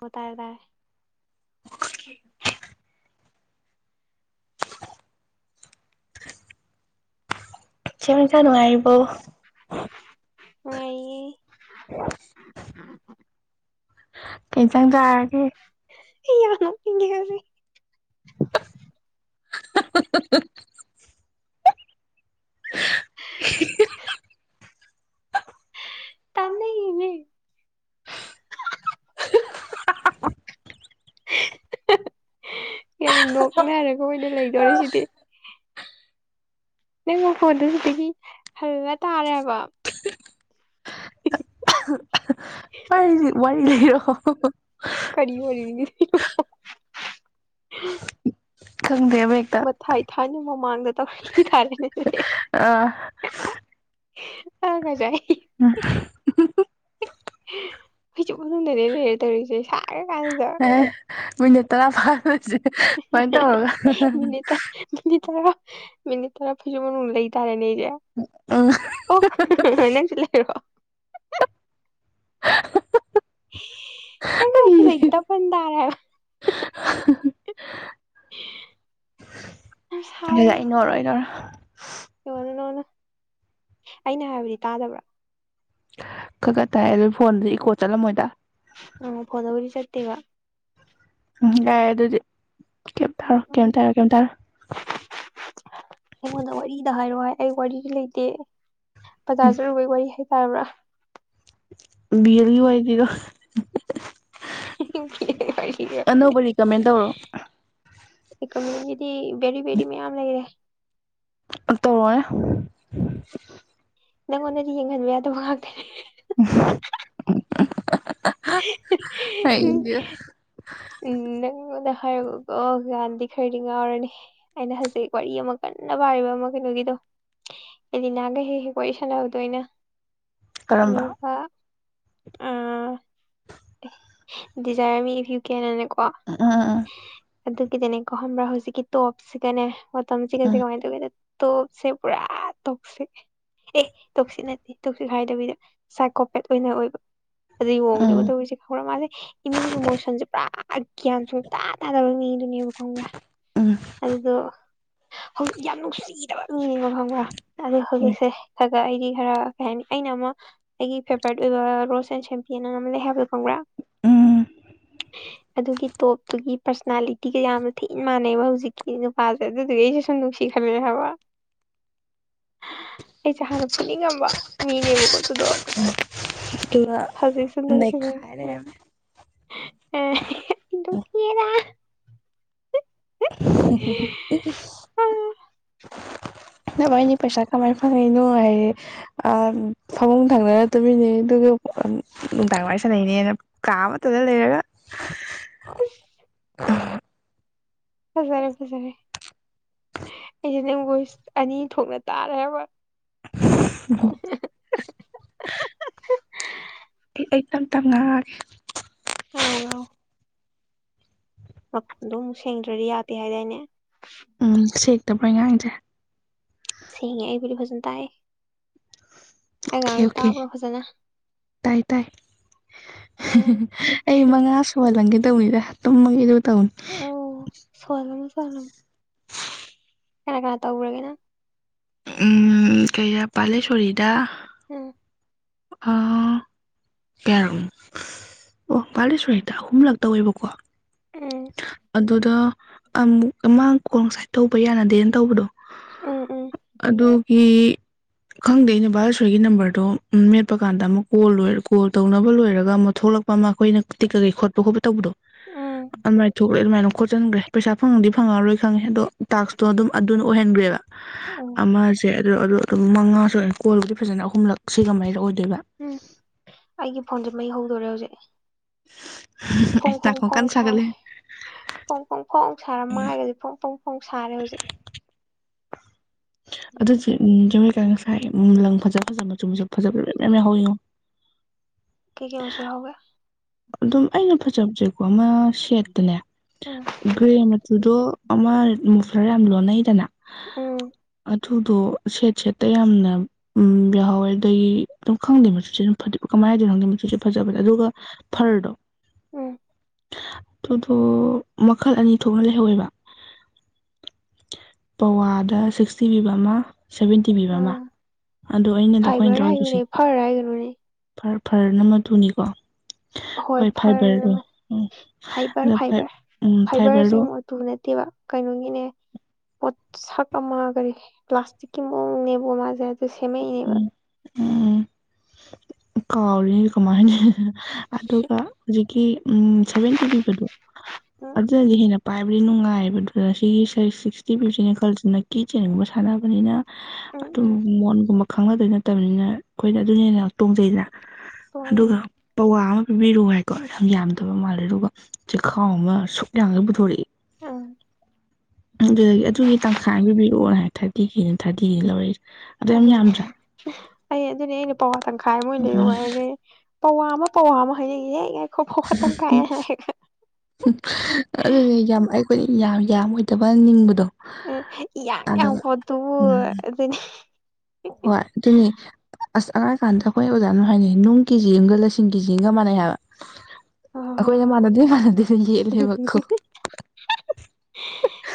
ꯑꯣ ꯇꯔꯦ ꯇꯔꯦ ꯆꯦꯃꯤꯁꯥ ꯅꯨꯉꯥꯢꯔꯤꯕꯣ ꯋꯥꯌꯦ ꯀꯩ ꯢꯟꯖꯥꯡ ꯆꯥꯔꯒꯦ [inaudible] ꯇꯥꯟꯅꯩꯌꯦꯃꯦ ꯀꯔꯤ ꯅꯣꯛꯅꯔꯒ ꯑꯣꯏꯅ ꯂꯩꯗꯣꯔꯦꯁꯤꯗꯤ ꯅꯪ ꯃꯈꯣꯟꯗꯨꯗꯒꯤ ꯍꯟꯂꯥ ꯇꯥꯔꯦꯕ ꯋꯥꯔꯤ ꯂꯤꯔꯛꯑꯣ ꯀꯔꯤ ꯑꯣꯏꯔꯤꯒꯦ [inaudible] ꯈꯪꯗꯦ ꯑꯃ ꯍꯦꯛꯇꯥ ꯃꯊꯥꯏ [unintelligible] ꯑ ꯑ ꯀꯥꯢꯖꯨ ꯍꯥꯢꯔꯤꯌꯦ [inaudible] ꯐꯩꯖꯨꯞ ꯃꯅꯨꯡꯗꯅꯦ ꯑꯩꯅ ꯂꯩꯔ ꯇꯧꯔꯛ ꯏꯁꯦ ꯁꯥꯔꯥ ꯑꯦ ꯃꯤꯅꯤꯠ ꯇꯔꯥ ꯐꯥꯗꯣꯢꯁꯦ ꯁꯨꯃꯥꯏꯅ ꯇꯧꯔꯒ ꯃꯤꯅꯤꯠ ꯃꯤꯅꯤꯠ ꯇꯔꯥ ꯃꯤꯅꯤꯠ ꯇꯔꯥ ꯐꯩꯖꯨꯞ ꯃꯅꯨꯡꯗ ꯂꯩ ꯇꯔꯦꯅꯦ ꯑꯩꯁꯦ ꯎꯝ ꯑꯣ ꯅꯪꯁꯨ ꯂꯩꯔꯣ [inaudible] ꯑꯗꯨꯗꯤ ꯑꯩ ꯅꯣꯛꯑꯔꯣꯢ ꯅꯣꯛꯑꯔꯣꯢ [inaudible] ꯅꯣꯛꯑꯅꯨ ꯅꯣꯛꯑꯅꯨ ꯑꯩꯅ ꯍꯥꯢꯕꯗꯤ ꯇꯥꯗꯕ꯭ꯔ ꯈꯒ ꯇꯥꯏ ꯑꯗꯣ ꯐꯣꯟꯗꯤ ꯏꯀꯣ ꯆꯠꯂꯝꯃꯣꯏꯗ ꯎꯝ ꯐꯣꯟꯗꯕꯨꯗꯤ ꯆꯠꯇꯦꯕ ꯎꯝ ꯌꯥꯔꯦ ꯗꯨꯗꯤ ꯀꯦꯝ ꯇꯥꯔꯣꯢ ꯀꯦꯝ ꯎꯝ ꯇꯥꯔꯣꯢ ꯑꯩꯉꯣꯟꯗ ꯋꯥꯔꯤꯗ ꯍꯥꯏꯔꯣ ꯍꯥꯏ ꯑꯩ ꯋꯥꯔꯤ ꯂꯩꯇꯦ ꯕꯖꯥꯔ ꯆꯠꯂꯨꯕꯩ ꯋꯥꯔꯤ ꯇꯥꯕ꯭ꯔ ꯕꯤꯌꯦꯜꯒꯤ ꯋꯥꯔꯤ ꯂꯤꯔꯛ ꯑꯣ [inaudible] ꯑꯅꯧꯕ ꯔꯤꯀꯃꯦꯟ ꯇꯧꯔꯣ ꯕꯦꯔꯤ-ꯕꯦꯔꯤ ꯃꯌꯥꯝ ꯂꯩꯔꯦ꯫ ꯑꯝ ꯇꯧꯔꫭꯅꯦ꯫ [unintelligible] ꯅꯪꯉꯣꯟꯗꯗꯤ ꯌꯦꯡꯍꯟꯕ ꯌꯥꯗꯕ ꯉꯥꯛꯇꯅꯦ꯫ [unintelligible] [unintelligible] ꯑꯩꯗꯤ ꯎꯪ ꯅꯪꯉꫭꯟꯗ ꯍꯥꯏꯔꯒ ꯀꫭꯛ ꯌꯥꯅꯤ꯫ ꯗꯤ ꯈꯔꯗꯤ ꯉꯥꯎꯔꯅꯤ ꯑꯩꯅ ꯍꯖꯤꯛ ꯋꯥꯔꯤ ꯑꯃ ꯀꯟꯅ ꯄꯥꯔꯤꯕ ꯑꯃ ꯀꯩꯅꯣꯒꯤꯗꯣ ꯑꯦꯂꯤꯅꯥꯒ ꯍꯦꯛ-ꯍꯦꯛ ꯋꯥꯔꯤ ꯁꯥꯟꯅꯕꯗꯣ ꯑꯩꯅ꯫ ꯀꯔꯝꯕ꯫ ꯑꯥ ꯑꯦ ꯗꯤꯖꯥꯏꯔ ꯃꯤ ꯏꯐ ꯌꯨ ꯀꯦꯟ ꯍꯥꯏꯅ ꯀꫭ ꯎꯝ ꯎꯝ ꯑꯗꯨꯒꯤꯗꯤꯅꯦꯀꯣ ꯈꯪꯕ꯭ꯔꯥ ꯍꯧꯖꯤꯛꯀꯤ ꯇꯣꯞꯁꯤꯒꯅꯦ ꯇꯝꯖꯤꯀꯁꯤ ꯎꯝ ꯀꯃꯥꯏꯅ ꯇꯧꯒꯦꯗ ꯇꯣꯞꯁꯦ ꯄꯨꯔꯥ ꯇꯣꯞꯁꯦ ꯑꯦ ꯇꯣꯛꯁꯤꯠ ꯅꯠꯇꯦ꯫ ꯁꯤꯛ ꯍꯥꯏꯗꯕꯤꯗ ꯁꯥꯏꯀꯣꯄꯦꯠ ꯑꯣꯏꯅ ꯑꯣꯏꯕ꯫ ꯎꯝ ꯑꯗꯨꯒꯤ ꯃꯑꫭꯡꯗ [unintelligible] ꯃꯤꯒꯤ ꯏꯃꯣꯁꯟꯁꯦ ꯄꯨꯔꯥ ꯑꯒꯌꯥꯟ ꯁꯡꯨ ꯇꯥ ꯇꯥꯗꯕ ꯃꯤꯗꯨꯅꯦꯕ ꯈꯪꯕ꯭ꯔꯥ꯫ ꯎꯝ ꯎꯝ ꯑꯗꯨꯗꯣ ꯍꯧꯖꯤꯛ ꯌꯥꯝ ꯅꯨꯡꯁꯤꯕ ꯃꯤ ꯃ ꯐꯪꯕ ꯑꯗꯨ ꯎꯝ ꯍꯧꯖꯤꯛꯁꯦ ꯒ ꯑꯩꯗꯤ ꯈꯔ ꯀꯩ ꯍꯥꯏꯅꯤ ꯑꯩꯅ ꯑꯃ ꯑꯩꯒꯤ ꯐꯦꯚꯣꯔꯥꯏꯠ ꯑꯣꯏꯕ ꯔꯣꯁ ꯑꯦꯟ ꯁꯦꯝꯄꯤꯅ ꯃ ꯂꯩ꯫ ꯍꯥꯏꯕꯗꯣ ꯈꯪꯕ꯭ꯔꯥ ꯎꯝ ꯑꯗꯨꯒꯤ ꯇꯣꯞꯇꯨꯒꯤ ꯄꯔꯁꯅꯥꯂꯤꯇꯤꯒ ꯌꯥꯝꯅ ꯊꯤꯅ ꯃꯥꯟꯅꯩꯕ ꯍꯧꯖꯤꯛꯀꯤ ꯅꯨꯄꯥꯁꯦ ꯑꯗꯨꯗꯨꯒꯤ ꯑꯩꯁꯨꯦ ꯁꯨꯝ ꯅꯨꯡꯁꯤ ꯈꯜꯂꯦ ꯍꯥꯏꯕ ꯑꯩꯁꯦ ꯍꯥꯟꯅ ꯐꯨꯅꯤꯡꯉꯝꯕ ꯃꯤꯅꯦꯕꯀꫭ ꯗꯨꯗꯣ꯫ [unintelligible] ꯑꯦ [unintelligible] [unintelligible] ꯑꯥ, [unintelligible] ꯅꯃꯣꯥꯏꯅꯤ ꯄꯩꯁꯥ ꯀꯃꯥꯏꯅ ꯐꯪꯉꯤꯅꯣ ꯍꯥꯏ ꯑꯥ ꯐꯃꯨꯡ ꯊꯪꯅꯔ ꯇꯨꯃꯤꯟꯅꯩ ꯑꯗꯨꯒ ꯅꯨꯡꯗꯥꯡ ꯋꯥꯔꯤ ꯁꯥꯅꯩꯅꯦꯅ ꯀꯥ ꯑꯃꯇꯗ ꯂꯩꯔꯒ꯫ [unintelligible] ꯐꯖꯔꯦ ꯐꯖꯔꯦ ꯑꯩꯁꯦ ꯅꯪ ꯕꯣꯏꯁ ꯑꯅꯤ ꯊꯣꯛꯅ ꯇꯥꯔꯦ ꯍꯥꯏꯕ [unintelligible] ꯑꯩ ꯑꯩ ꯇꯝ ꯇꯝ ꯉꯥꯡꯉꯛꯑꯒꯦ ꯉꯥꯡꯉꯣ ꯉꯥꯡꯉꯣ ꯃꯈꯣꯜꯗꯣ ꯑꯃꯨꯛ ꯁꯦꯡꯗ꯭ꯔꯗꯤ ꯌꯥꯗꯦ ꯍꯥꯏꯗꯥꯏꯅꯦ ꯎꯝ ꯁꯦꯡ ꯊꯧꯕ ꯉꯥꯡꯗꯔꯦ ꯁꯦꯡꯉꯦ ꯑꯩꯒꯤꯗꯤ ꯐꯖꯅ ꯇꯥꯏꯑꯦ ꯑꯣꯀꯦ ꯑꯣꯀꯦ ꯇꯥꯏ ꯇꯥꯏ ꯎꯝ ꯑꯩ ꯃꯉꯥ ꯁꯨꯍꯜꯂꯝꯒꯦ ꯇꯧꯅꯤꯗ ꯇꯨꯝꯃ ꯒꯦ ꯑꯗꯨꯒ ꯇꯧꯅꯤ ꯑꯣ [unintelligible] ꯀꯅꯥ ꯀꯅꯥ ꯇꯧꯒꯔꯒꯦ ꯅꯪ ꯎꯝ ꯀꯌꯥ ꯄꯥꯜꯂꯤ ꯁꯦꯜꯂꯤꯗꯥ ꯎꯝ ꯑꯃꯥ ꯀꯌꯥꯔꯛꯅꯣ ꯑꯣ ꯄꯥꯂꯦꯁꯣꯔꯤꯗ ꯑꯍꯨꯃꯂꯛ ꯇꯧꯔꯦꯕꯥꯀꯣ ꯎꯝ ꯑꯗꯨꯗ ꯑꯃꯨꯛ ꯑꯃꯥ ꯀꯣꯜ ꯉꯁꯥꯏ ꯇꯧꯕ ꯌꯥꯅꯗꯦꯅ ꯇꯧꯕꯗꯣ ꯎꯝ ꯎꯝ ꯒꯤ ꯈꯪꯗꯦ ꯕꯥꯂꯦꯁꯣꯔꯤꯒꯤ ꯅꯝꯕꯔꯗꯣ ꯎꯝ ꯃꯦꯠꯄ ꯀꯥꯟꯗ ꯑꯃꯨꯛ ꯀꯣꯜ ꯂꯣꯏꯔ ꯀꯣꯜ ꯇꯧꯅꯕ ꯂꯣꯏꯔꯒ ꯑꯃꯨꯛ ꯊꯣꯛꯂꯛꯄ ꯑꯃ ꯑꯩꯈꯣꯏꯅ ꯀꯤ ꯀꯩꯀꯩ ꯈꯣꯠꯄ ꯈꯣꯠꯄ ꯇꯧꯕꯗꯣ ꯎꯝ ꯑꯗꯨꯃꯥꯏ ꯊꯣꯛꯂꯛꯑꯦ ꯑꯗꯨꯃꯥꯏ ꯈꯣꯠꯆꯟꯈ꯭ꯔꯦ ꯄꯩꯁꯥ ꯐꯪꯉꯗꯤ ꯐꯪꯉꯔꯣꯏ ꯈꯪꯉꯦ ꯑꯗꯣ ꯇꯥꯛꯁꯇꯣ ꯑꯗꯨꯝ ꯑꯗꯨꯅ ꯑꯣꯏꯍꯟꯈ꯭ꯔꯦꯕ ꯎꯝ ꯑꯃꯁꯦ ꯑꯗꯣ ꯑꯗꯨ ꯑꯗꯨꯝ ꯃꯉꯥꯁꯨ ꯁꯨꯔꯦ ꯀꯣꯜꯂꯗꯤ ꯐꯖꯅ ꯑꯍꯨꯝꯂꯛ꯫ ꯁꯤꯒ ꯃꯔꯤꯔꯛ ꯑꯣꯏꯗꯣꯏꯅꯦ ꯎꯝ ꯑꯩꯒꯤ ꯐꯣꯟꯁꯦ ꯃꯩ ꯍꯧ ꯗꯣꯔꯦ ꯍꯧꯖꯤꯛ꯫ ꯑꯩ ꯐꯣꯡ ꯐꯣꯡ ꯅꯥꯀꯣꯡ ꯐꯣꯡ ꯀꯟꯅ ꯁꯥꯒꯠꯂꯦ ꯁꯥꯔꯦ ꯐꯣꯡ ꯐꯣꯡ ꯐꯣꯡ ꯁꯥꯔꯝ ꯃꯥꯒꯖꯦ ꯐꯣꯡ ꯐꯣꯡ ꯐꯣꯡ ꯁꯥꯔꯦ ꯍꯧꯖꯤꯛ꯫ ꯑꯗꯨ ꯖꯨ ꯎꯝ ꯉꯁꯥꯏ ꯂꯪ ꯐꯖ ꯐꯖꯕ ꯃꯆꯨ ꯐꯖꯕ ꯃꯌꯥꯝ ꯌꯥꯍꯧꯏ ꯉꯣ꯫ ꯀꯩ ꯀꯩ ꯃꯆꯨ ꯌꯥꯎꯍꯧꯒꯦ ꯑꯗꯨꯝ ꯑꯩꯅ ꯐꯖꯕꯁꯦꯀꯣ ꯑꯃ ꯁꯦꯠꯇꯅꯦ ꯎꯝ ꯒꯔꯦ ꯃꯆꯨꯗꯣ ꯑꯝꯃꯥ ꯃꯨꯐꯂꯦꯔ ꯌꯥꯝ ꯂꯣꯅꯩꯗ ꯅ ꯎꯝ꯫ ꯑꯗꯨꯗꯣ ꯁꯦꯠ - ꯁꯦꯠꯇ ꯌꯥꯝꯅ ꯎ ꯌꯥꯎꯍꯧꯋꯦ ꯑꯗꯒꯤ ꯑꯗꯨꯝ ꯈꯪꯗꯦ ꯃꯆꯨꯁꯦꯗꯨꯃ ꯀꯃꯥꯏꯅ ꯍꯥꯏꯗꯣꯏꯅꯣ ꯈꯪꯗꯦ ꯃꯆꯨꯖꯦ ꯐꯖꯕꯅꯦ ꯑꯗꯨꯒ ꯐꯔꯗꯣ ꯎꯝ ꯑꯗꯨꯗꯣ ꯃꯈꯜ ꯑꯅꯤ ꯊꯣꯛꯅ ꯂꯩꯍꯧꯋꯦꯕ ꯄꯋꯥꯗ ꯁꯤꯛꯁꯇꯤ ꯄꯤꯕ ꯑꯃ ꯁꯚꯦꯟꯇꯤ ꯄꯤꯕ ꯑꯃ ꯎꯝ ꯑꯗꯣ ꯑꯩꯅꯥ ꯇꯧꯈꯣꯏ ꯐꯥꯏꯕꯔ ꯂꯦꯔꯗꯤ ꯀꯨꯁꯤ ꯍꯥꯏꯌꯨꯅꯦ ꯐꯔ ꯍꯥꯏꯒꯅꯨꯅꯦ ꯐꯔ ꯐꯔꯅ ꯃꯇꯨꯅꯤꯀꯣ ꯍꯣꯏ ꯐꯥꯏꯕꯔꯗꯣ ꯐꯔ ꯎꯝ ꯐꯥꯏꯕꯔ ꯑꯗ ꯐꯥꯏ ꯐꯥꯏꯕꯔ ꯎꯝ ꯐꯥꯏꯕꯔꯁꯦ ꯐꯥꯏꯕꯔꯗꯣ ꯃꯥꯇꯨ ꯅꯠꯇꯦꯕ ꯀꯩꯅꯣꯒꯤꯅꯦ ꯁꯛ ꯑꯃ ꯀꯔꯤ ꯄ꯭ꯂꯥꯁꯇꯤꯛꯀꯤ ꯃꯑꯣꯡꯅꯦꯕ ꯃꯥꯁꯦ ꯁꯦꯝꯃꯛ ꯏꯅꯦꯕꯥ ꯀꯥꯎ ꯀꯃꯥꯏ ꯍꯥꯏꯅꯤ ꯑꯗꯨꯒ ꯍꯧꯖꯤꯛ ꯀꯤ ꯎꯝ ꯁꯦꯚꯦꯟꯇꯤ ꯄꯤꯕꯗꯣ ꯎꯝ ꯑꯗꯨꯅꯗꯤ ꯍꯦꯟꯅ ꯄꯥꯏꯕꯗꯤ ꯅꯨꯡꯉꯥꯏꯕꯗꯨꯗ ꯁꯤꯒꯤ ꯁꯤꯛꯁꯇꯤ ꯐꯤꯞꯁꯤꯅ ꯈꯜꯁꯤꯅ ꯅꯥꯏꯀꯤ ꯆꯦꯟꯒꯨꯝꯕꯥ ꯁꯥꯔꯀꯑꯥꯕꯅꯤꯅꯥ ꯎꯝ ꯑꯗꯨ ꯎꯝ ꯃꯣꯟꯒꯨꯃꯛ ꯈꯪꯅꯗꯣꯏ ꯅꯠꯇꯕꯅꯤꯅ ꯑꯩꯈꯣꯏꯅꯗꯤ ꯍꯦꯟꯅ ꯇꯣꯡꯖꯩꯗꯥꯅ ꯑꯗꯨꯒ ꯇꯣꯡꯉꯤꯅꯤ ꯄꯋꯥ ꯑꯃ ꯄꯤꯕꯤꯔꯨ ꯍꯥꯏꯀꯣ ꯌꯥꯝ ꯌꯥꯝꯗꯕ ꯃꯥꯜꯂꯦ ꯑꯗꯨꯒ ꯆꯦꯈꯥꯎ ꯑꯃ ꯁꯨꯛ ꯌꯥꯝꯒꯩ ꯄꯨꯊꯣꯔꯛꯏ ꯑꯥ ꯑꯗꯨꯗꯒꯤ ꯑꯗꯨꯒꯤ ꯇꯪꯈꯥꯏ ꯑꯃ ꯄꯤꯕꯤꯔꯛꯑꯣ ꯍꯥꯏ ꯊꯥꯔꯇꯤꯒꯤꯅꯤ ꯊꯥꯔꯇꯤꯒꯤꯅꯤ ꯂꯧꯔꯛꯏꯁ ꯑꯗꯨ ꯌꯥꯝ ꯑꯗꯨꯅꯦ ꯌꯥꯝꯗ꯭ꯔꯥ ꯑꯩ ꯑꯗꯨꯅꯦ ꯑꯩꯅ ꯄꯥꯝ ꯇꯪꯈꯥꯏ ꯑꯃ ꯑꯣꯏꯅ ꯂꯩꯔꯨ ꯍꯥꯏꯔꯒꯦ ꯄꯋꯥ ꯑꯃ ꯄꯋꯥ ꯑꯃ ꯍꯥꯏꯅꯩ [unintelligible] ꯑꯗꯨꯗꯤ ꯌꯥꯝ ꯑꯩ ꯑꯩꯈꯣꯏ ꯌꯥꯝ ꯌꯥꯝꯃꯣꯏꯗꯕ ꯅꯤꯡꯕꯗꯣ ꯎꯝ ꯏꯌꯥꯡ ꯌꯥꯡꯕ ꯑꯗꯨꯒ ꯄꯣꯠꯇꯨꯕꯨ ꯎꯝ ꯑꯗꯨꯅꯤ ꯍꯣꯏ ꯑꯗꯨꯅꯤ ꯑꯁ ꯑꯔꯥꯏ ꯀꯥꯟꯗ ꯑꯩꯈꯣꯏ ꯑꯣꯖꯥꯅ ꯍꯥꯏꯅꯤ ꯅꯨꯡ ꯀꯦꯖꯤ ꯑꯃꯒ ꯂꯤꯁꯤꯡ ꯀꯦꯖꯤ ꯑꯃꯒ ꯃꯥꯟꯅꯩ ꯍꯥꯏꯕ ꯑ ꯑꯩꯈꯣꯏꯅ ꯃꯥꯟꯅꯗꯦ ꯃꯥꯟꯅꯗꯦꯅ ꯌꯦꯠꯂꯦꯕꯀꯣ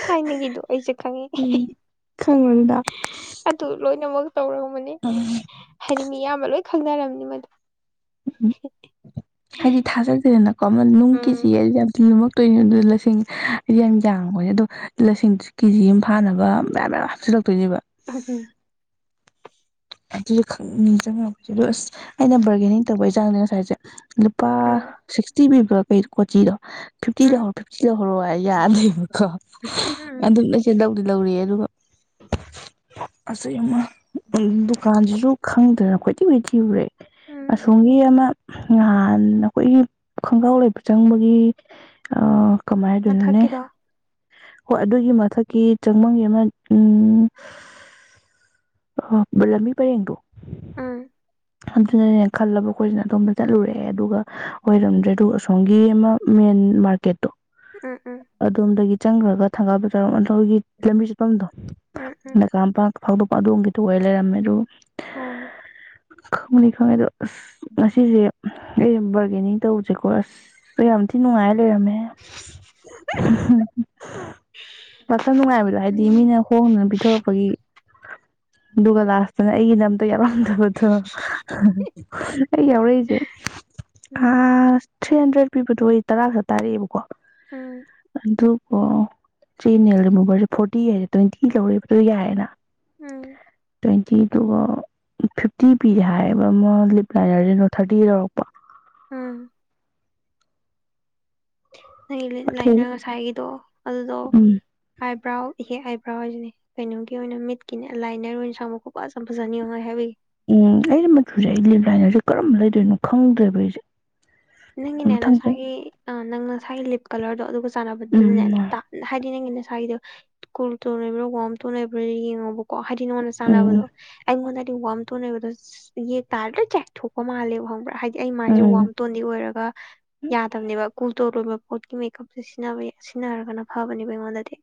ꯊꯥꯏꯅꯒꯤꯗꯣ ꯑꯩꯁꯦ ꯈꯪꯉꯤ ꯎꯝ ꯈꯪꯕꯗꯨꯗ ꯑꯗꯨ ꯂꯣꯏꯅꯃꯛ ꯇꯧꯔꯕꯅꯤ ꯍꯥꯏꯗꯤ ꯃꯤꯌꯥꯝꯅꯥ ꯂꯣꯏ ꯈꯪꯅꯔꯝꯅꯤ ꯃꯗꯨ ꯎꯝ ꯍꯥꯏꯗꯤ ꯊꯥꯖꯗꯦꯗꯅ ꯀꯃꯟ ꯅꯨꯡ ꯎꯝ ꯀꯦꯖꯤ ꯍꯥꯏꯁꯦ ꯌꯥꯝ ꯊꯤꯅꯥ ꯂꯨꯝꯃꯛ ꯇꯣꯏꯅꯤ ꯑꯗꯨ ꯂꯁꯤꯡ ꯌꯥꯝ ꯌꯥꯪꯕꯅꯤꯅꯥ ꯑꯗꯣ ꯂꯁꯤꯡꯗꯨꯁꯨ ꯀꯦꯖꯤ ꯑꯃ ꯐꯥꯅꯕ ꯃꯌꯥꯝ ꯃꯌꯥꯝꯁꯨ ꯍꯥꯞ ꯆꯤꯟꯂꯛ ꯇꯣꯏꯅꯦꯕ ꯎꯝ ꯑꯗꯨꯁꯨ ꯈꯅꯤꯡ ꯅꯤꯡꯖꯡꯉꯛꯗ ꯂꯣꯏ ꯑꯁ ꯑꯩꯅ ꯕꯥꯔꯒꯦꯅꯤꯡ ꯇꯧꯕꯩ ꯆꯥꯡꯁꯦ ꯉꯁꯥꯏꯁꯦ ꯂꯨꯄꯥ ꯎꯝ ꯁꯤꯛꯁꯇꯤ ꯄꯤꯕ꯭ꯔꯥ ꯑꯣꯏ ꯀꯣꯆꯤꯗꯣ ꯐꯤꯐꯇꯤ ꯎꯝ ꯂꯧꯍꯧꯔꯣ ꯐꯤꯐꯇꯤ ꯂꯧꯍꯧꯔꯣ ꯌꯥꯗꯦꯕꯀꯣ ꯎꯝ ꯑꯃꯨꯛꯀꯁꯨ ꯂꯧꯕ ꯂꯥꯛ ꯂꯧꯔꯑꯦ ꯑꯗꯨꯒ ꯑ ꯑꯃ ꯎꯝ ꯂꯨꯛ ꯈꯪꯗ꯭ꯔꯥꯗꯅ ꯀꯣꯏꯊꯤ ꯀꯣꯢꯊꯤ ꯊꯤꯔꯨꯔꯦ ꯎꯝ ꯑꯁꯣꯝꯒꯤ ꯑꯃ ꯉꯍꯥꯟ ꯑꯩꯈꯣꯏꯒꯤ ꯈꯣꯡꯒ꯭ꯔꯥꯎ ꯂꯩ ꯆꯪꯕꯒꯤ ꯑ ꯀꯃꯥꯏ ꯍꯥꯏꯗꯣꯏꯅꯣꯅꯦ ꯃꯊꯛꯀꯤꯗꯣ ꯍꯣꯏ ꯑꯗꯨꯒꯤ ꯃꯊꯛꯀꯤ ꯆꯪꯐꯝꯒꯤ ꯑꯃ ꯎꯝ ꯑꯣꯂꯝꯃꯤ ꯎꯝ ꯑꯗꯨꯅꯥꯅꯦ ꯈꯟꯂꯣ ꯂꯥꯕꯨꯛ ꯑꯣꯢꯅ ꯑꯩꯈꯣꯏꯁꯤꯅ ꯑꯗꯣꯝꯗ ꯆꯠꯂꯨꯔꯛꯑꯦ ꯑꯗꯨꯒ ꯑꯣꯏꯔꯝꯗ꯭ꯔꯦ ꯑꯗꯨꯒ ꯁꯣꯝꯒꯤ ꯑꯃ ꯃꯦꯟ ꯃꯥꯔꯀꯦꯠꯇꯣ ꯎꯝ ꯎꯝ ꯑꯗꯣꯝꯗꯒꯤ ꯆꯪꯈ꯭ꯔꯒ ꯊꯪꯒꯥꯜ ꯕꯥꯖꯥꯔ ꯋꯥꯠꯂꯤ ꯑꯩꯈꯣꯏꯒꯤ ꯂꯝꯕꯤ ꯆꯠꯐꯝꯗꯣ ꯎꯝ ꯎꯝ ꯅꯒꯃꯄꯥꯜ ꯐꯥꯎꯗꯣꯛꯄ ꯑꯗꯣꯝꯒꯤꯗ ꯑꯣꯏ ꯂꯩꯔꯝꯃꯦ ꯍꯜꯂꯣ ꯑ ꯅꯈꯉꯦ ꯑꯗꯨ ꯑꯁ ꯉꯁꯤꯁꯦ ꯑꯩ ꯕꯥꯔꯒꯦꯅꯤꯡ ꯇꯧꯁꯦꯀꯣ ꯑꯁ ꯀ ꯌꯥꯝ ꯊꯤ ꯅꯨꯡꯉꯥꯏꯔ ꯂꯩꯔꯝꯃꯦ ꯋꯥꯈꯜ ꯅꯨꯡꯉꯥꯏꯕꯗꯣ ꯍꯥꯏꯗꯤ ꯎꯝ ꯃꯤꯅ ꯍꯣꯡꯗꯨꯅ ꯄꯤꯊꯣꯔꯛꯄꯒꯤ ꯗꯨꯒꯂꯥꯁ ꯑꯗꯨꯅ ꯑꯩꯒꯤ ꯅꯝꯗꯣ ꯌꯥꯂꯥ ꯗꯣ ꯀ ꯌꯥꯎꯔꯛꯏꯁꯦꯥꯁ ꯎꯝ ꯊ꯭ꯔꯤ ꯍꯟꯗ꯭ꯔꯦꯠ ꯄꯤꯕꯗꯣ ꯑꯣꯏ ꯇꯔꯥ ꯈꯛꯇ ꯇꯥꯔꯛꯑꯦꯕꯀꯣ ꯎꯝ ꯑꯗꯨꯒꯕꯣ ꯆꯅꯦꯔ ꯃꯕ ꯐꯣꯔꯇꯤ ꯍꯥꯏꯔꯦ ꯇ꯭ꯋꯦꯟꯇꯤ ꯂꯧꯔꯤꯕꯗꯨꯣ ꯌꯥꯏꯔꯦꯅ ꯎꯝ ꯐꯤꯗꯨꯒ ꯐꯤꯐꯇꯤ ꯄꯤꯔꯦ ꯍꯥꯏ [inaudible] ꯎꯝ ꯅ ꯑꯗꯨ ꯂꯥꯏꯅꯥ ꯉꯁꯥꯏꯒꯤꯗꯣ ꯑꯗꯨꯗꯣ ꯎꯝ ꯕ꯭ꯔꯥꯎ ꯏꯍꯦꯛ ꯍꯥꯏꯏ ꯕ꯭ꯔꯥꯎ ꯍꯥꯏꯁꯤꯅꯦ ꯀꯩꯅꯣꯒꯤ ꯑꯣꯏꯅ ꯃꯤꯠꯀꯤꯅꯦ ꯂꯥꯏꯅꯔ ꯑꯣꯏꯅ ꯁ ꯃꯈ ꯈꯄꯖ ꯐꯖꯅꯤꯌꯣ ꯍꯥꯏꯕꯒꯤ ꯎꯝ ꯑꯩꯩꯅ ꯃꯆꯨꯁꯦ ꯑꯩ ꯂꯤꯞ ꯂꯥꯏꯅꯁꯦ ꯀꯔꯝꯕ ꯂꯩꯗꯣꯏꯅꯣ ꯈꯪꯗ꯭ꯔꯦꯕ ꯑꯩꯁꯦ ꯃꯊꯪꯁꯦ ꯅꯪꯅꯦꯅꯁꯥꯏꯒꯤ ꯑ ꯅꯪ ꯉꯥꯏ ꯂꯤꯞ ꯀꯂꯔꯗꯣ ꯑꯗꯨꯒ ꯁꯥꯟꯅꯕꯗꯨꯅꯦ ꯎꯝ ꯍꯥꯏꯗꯤ ꯅꯪ ꯁꯥꯏꯗ ꯀꯨꯜ ꯇꯣꯟꯅꯕ꯭ꯔꯥ ꯋꯥꯝ ꯇꯣꯟꯅꯩꯕ꯭ꯔꯥ ꯌꯦꯡꯉꯣꯕꯀꯣ ꯍꯥꯏ ꯅ ꯎꯝ ꯁꯥꯟꯅꯅꯕꯕꯨꯗꯨꯣ ꯑꯩ ꯃ ꯋꯥꯝ ꯊꯣꯛꯅꯕꯗ ꯌꯦꯛ ꯇꯥꯔꯗ꯭ꯔ ꯆꯦꯛꯊꯣꯛꯄ ꯃꯥꯜꯂꯦꯕ ꯈꯪꯕ꯭ꯔ ꯍꯥꯏ ꯑꯩ ꯃꯥꯏꯁꯦ ꯎꯝ ꯋꯥꯝ ꯇ ꯑꯣꯏꯔꯒ ꯌꯥꯗꯕꯅꯦꯕ ꯀꯨ ꯇꯣ ꯂꯣꯏꯅꯥꯃꯛ ꯄꯣꯠꯀꯤ ꯃꯦꯀꯞꯁꯦ ꯁꯤ ꯁꯤꯖꯤꯟꯅꯔꯒꯅ ꯐꯕꯅꯦꯕ ꯑꯩꯉꯣꯟꯗꯗꯤ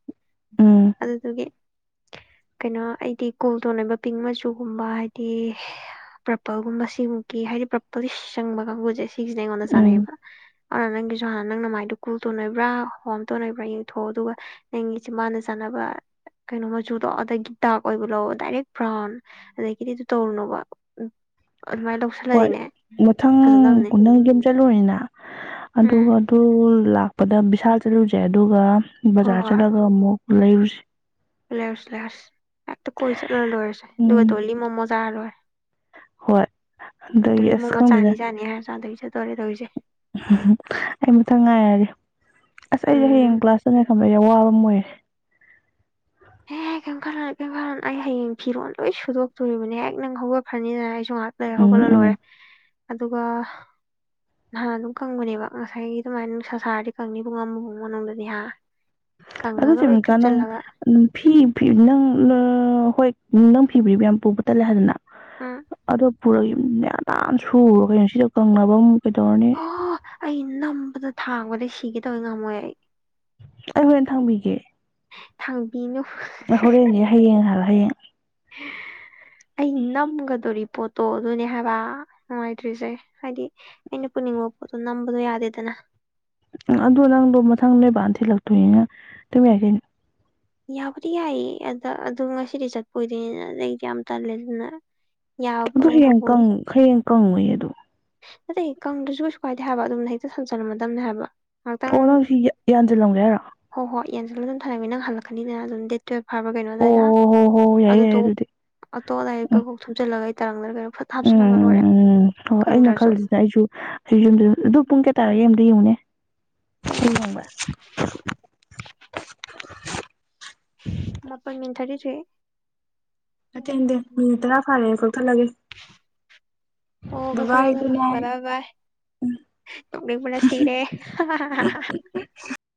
ꯎꯝ ꯑꯗꯨꯗꯨꯒ ꯀꯩꯅꯣ ꯑꯩꯗꯤ ꯀꯣꯜꯇꯣꯟ ꯑꯣꯏꯕ ꯄꯤꯡ ꯃꯆꯨꯒꯨꯝꯕ ꯍꯥꯏꯗꯤ ꯄ꯭ꯔꯄꯜꯒꯨꯝꯕ ꯁꯤꯃꯨꯛꯀꯤ ꯍꯥꯏꯗꯤ ꯄ꯭ꯔꯄꯜ ꯆꯪꯕ ꯀꯥꯡꯕꯨꯁꯦ ꯁꯤ ꯁꯤꯁꯤ ꯅ ꯀꯣꯟꯗ ꯎꯝ ꯁꯥꯅꯩꯕ ꯑꯗꯨꯅ ꯅꯪꯒꯤꯁꯨ ꯍꯥꯟꯅ ꯅꯪ ꯅ ꯃꯥꯏꯗꯨꯣ ꯀꯨꯜ ꯇꯣꯟ ꯅꯣꯏꯕ꯭ꯔꯥ ꯍꯣꯝ ꯇꯧ ꯅꯣꯏꯕ꯭ꯔꯥ ꯌꯦꯡꯊꯣꯛꯑꯣ ꯑꯗꯨꯒ ꯅꯪꯒꯤꯁꯤꯦ ꯃꯥꯅ ꯆꯥꯅꯕ ꯀꯩꯅꯣ ꯃꯆꯨꯗꯣ ꯑꯗꯒꯤ ꯗꯗꯥꯥꯛꯛ ꯑꯣꯏꯕ ꯂꯑꯣ ꯗꯥꯏꯔꯦꯛ ꯕ꯭ꯔꯥꯎꯟ ꯑꯗꯒꯤꯗꯤ ꯑꯗꯨ ꯇꯧꯔꯨꯅꯣꯕ ꯎ ꯑꯗꯨꯃꯥꯏꯅ ꯂꯧꯁꯜꯂꯗꯤꯅꯦ ꯐꯖꯗꯕꯅꯦ ꯅ ꯆꯠꯂꯨꯅꯤꯅ ꯑꯗꯨꯒ ꯎꯝ ꯑꯗꯨ ꯄꯗ ꯕꯤꯚꯤꯁꯥꯜ ꯆꯠꯂꯨꯁꯦ ꯑꯗꯨꯒ ꯕꯖꯥꯔ ꯆꯂꯒ ꯑꯃꯨꯛ ꯂꯩꯔꯨꯁꯤ ꯂꯦꯔꯨꯁꯤ ꯂꯦꯔꯨꯁꯤ ꯀꯦꯛꯇ ꯀꯣꯏ ꯆꯇꯂꯥ ꯂꯣꯏꯔꯦꯁꯦ ꯎꯝ ꯑꯗꯨꯒꯙꯂꯤ ꯃꯣꯃꯣꯖꯥꯔ ꯂꯣꯏꯔꯦ ꯍꯣꯏ ꯑꯗꯒꯤ ꯗꯣꯂꯤ ꯑꯁ ꯃꯣꯃꯣ ꯈꯪꯗꯦꯗ ꯆꯥꯅꯤ ꯆꯥꯅꯤ ꯍꯥꯏꯔ ꯆꯥꯗꯕꯤ ꯆꯠꯇꯣꯔꯦ ꯇꯧꯔꯤꯁꯦ ꯑꯩ ꯃꯊꯪ ꯉꯥꯏꯔꯒꯦ ꯑꯁ ꯑꯩꯁꯦ ꯎꯝ ꯍꯌꯦꯡ ꯀ꯭ꯂꯥꯁꯇꯅꯤ ꯈꯪꯕꯁꯦ ꯑ ꯋꯥꯕꯝꯣꯏ [inaudible] ꯍꯦ ꯍꯦꯛ ꯀꯩꯝꯜ ꯀꯩꯝꯀꯜ ꯑꯩ ꯍꯌꯦꯡ ꯐꯤꯔꯣꯟ ꯂꯣꯏ ꯁꯨꯗꯣꯛꯇꯣꯔꯤꯕꯅꯦ ꯍꯦꯛ ꯅꯪ ꯍꯧꯒꯠꯈ꯭ꯔꯅꯤꯗꯅ ꯑꯩꯁꯨ ꯉꯥꯍꯥꯛ ꯂꯩꯔꯒꯥ ꯎꯝ ꯍꯧꯒꯠꯂꯥ ꯎꯝ ꯂꯣꯏꯔꯦ ꯑꯗꯨꯒ ꯅꯍꯥꯟ ꯑꯗꯨꯝ ꯀꯪꯕꯅꯦꯕ ꯉꯁꯥꯏꯒꯤ ꯑꯗꯨꯃꯥꯏꯅ ꯁꯁꯥꯔꯗꯤ ꯀꯪꯅꯤꯕꯨ ꯉꯝꯝꯕꯥꯎ ꯃꯅꯨꯡꯗꯗꯤꯥꯟ ꯑꯗꯣ ꯆꯦꯝꯆꯥ ꯅꯪ ꯐꯤ ꯄꯤꯅꯪ [unintelligible] ꯑꯣ ꯍꯣꯏ ꯅꯪ ꯐꯤꯕꯤ꯭ꯔꯤꯕ ꯌꯥꯝ ꯄꯨꯕ ꯇꯜꯂꯦ ꯍꯥꯏꯗꯅ ꯎꯝ ꯑꯗꯣ ꯄꯨꯔꯒ ꯌ ꯃꯗꯥꯟ ꯁꯨꯔꯒ ꯀꯩꯅꯣ ꯁꯤꯗ ꯀꯪꯅꯕ ꯑꯩꯙꯣꯔꯅꯦꯦ ꯑꯣ ꯑꯩ ꯅꯝꯕꯗ ꯊꯥꯡꯕꯗ ꯁꯤꯒꯦꯗꯕ ꯉꯝꯃꯣꯏ ꯑꯩ ꯑꯩ ꯍꯣꯔꯦꯟ ꯊꯥꯡꯕꯤꯒꯦ ꯊꯥꯡ ꯂꯥꯛ ꯍꯧꯔꯦꯟꯁꯦ ꯍꯌꯦꯡꯍꯥꯟꯂ ꯍꯌꯦꯡ ꯍ ꯑꯩ ꯅꯝꯒꯗꯣꯔꯤꯕ ꯄꯣꯠꯇꯣ ꯑꯗꯨꯅꯦ ꯍꯥꯏꯕ ꯅꯨꯡꯉꯥꯏꯇ꯭ꯔꯤꯁꯦ ꯍꯥꯏꯗꯤ ꯑꯩꯅ ꯄꯨꯅꯤꯡꯕ ꯄꯣꯠꯇꯣ ꯅꯝꯕꯗꯣ ꯌꯥꯗꯦꯗꯅ ꯁꯤꯜꯂꯛꯇꯣꯏꯏꯅ ꯇꯃꯤ ꯌꯥꯩꯅ ꯌꯥꯕꯨꯗꯤ ꯌꯥꯏꯌꯦ ꯑꯗ ꯑꯗꯨ ꯉꯁꯤꯗꯤ ꯆꯠꯄ ꯑꯣꯏꯗꯣꯏꯅꯤꯅ ꯑꯗꯩꯗꯤ ꯌꯥꯝ ꯇꯜꯂꯦ ꯑꯗꯨꯅ ꯑꯗꯨ ꯌꯥꯕꯉꯩ ꯈꯛ ꯍꯌꯦꯡ ꯍꯌꯦꯡ ꯀꯪꯉꯨꯏ ꯑꯗꯨ ꯅꯗꯇꯩ ꯀꯪꯗ꯭ꯔꯁꯨ ꯀꯩꯁꯨ ꯀꯥꯏꯗꯦ ꯍꯥꯏꯕ ꯑꯗꯨꯝꯅ ꯍꯦꯛꯇ ꯁꯝꯖꯜꯔꯝꯃꯗꯕꯅꯤ ꯍꯥꯏꯕ ꯉꯥꯛꯇꯪ ꯑꯣ ꯅꯪ ꯁꯤ ꯌꯥꯟꯁꯤꯜꯂꯝꯒꯦ ꯍꯥꯏꯔ ꯇ ꯑꯟꯁꯂ ꯑꯗꯨꯝ ꯂꯩꯃꯤ ꯅꯪꯜꯥꯛꯥꯟꯅꯤꯅ ꯑꯗꯨꯝ ꯗꯦ ꯇꯨꯋꯦꯜꯞ ꯐꯕ꯭ꯔ ꯀꯩꯅꯣ ꯑꯣ ꯑꯗꯨꯗꯥꯏꯗ ꯍꯣ ꯍꯣ ꯌꯥꯏꯌꯦ ꯑꯗꯨꯇꯣ ꯌꯥꯏꯌꯦ ꯑꯗꯨꯗꯤ ꯑꯇꯣ ꯑꯗꯥꯏ ꯎꯝ ꯀꯀꯣꯛ ꯊꯨꯝꯆꯜꯂꯒ ꯇꯥꯡꯅꯔꯒ ꯐꯠ ꯎꯝ ꯍꯥꯞꯆꯜꯂꯝꯕ ꯎꯝ ꯂꯣꯏꯔꯦ ꯎꯝ ꯎꯝ ꯍꯣꯏ ꯑꯩꯅ ꯀꯪꯗ꯭ꯔꯁꯨ ꯈꯜꯂꯤꯁꯤꯅ ꯑꯩꯁꯨ ꯑꯩ ꯄꯨꯡ ꯀꯦ ꯇꯥꯔꯦꯨꯅꯦ ꯄꯨꯡ ꯊꯕ ꯄ ꯃꯤꯊꯔꯤ ꯆ ꯍꯦ ꯅꯠꯇꯦ ꯅꯠꯇꯦ ꯃꯤꯅꯤꯠ ꯇꯔꯥ ꯐꯥꯔꯦ ꯀꯛꯊꯠꯂꯒꯦ ꯑꯣ ꯀꯊꯂꯣ ꯕꯕꯥꯏ ꯒꯨꯗ ꯅꯥꯏꯠ ꯀꯊꯂꯣ ꯕꯥ ꯕꯥ ꯁꯤꯔꯦ